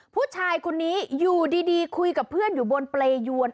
ผู้ชายคนนี้อยู่ดีคุยกับเพื่อนอยู่บนเปรยวน